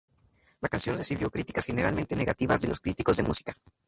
La canción recibió críticas generalmente negativas de los críticos de música.